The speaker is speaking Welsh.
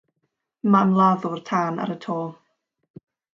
Mae ymladdwr tan ar y to.